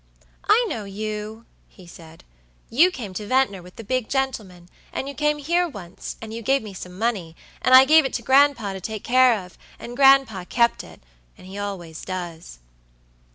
"I know you," he said; "you came to Ventnor with the big gentleman, and you came here once, and you gave me some money, and I gave it to gran'pa to take care of, and gran'pa kept it, and he always does."